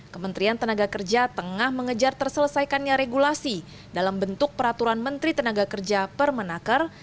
kementerian tenaga kerja tengah mengejar terselesaikannya regulasi dalam bentuk peraturan menteri tenaga kerja permenaker